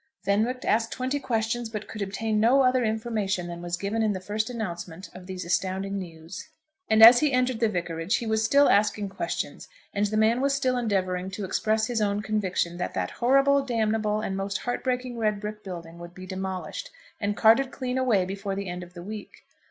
Fenwick asked twenty questions, but could obtain no other information than was given in the first announcement of these astounding news. And as he entered the vicarage he was still asking questions, and the man was still endeavouring to express his own conviction that that horrible, damnable, and most heart breaking red brick building would be demolished, and carted clean away before the end of the week.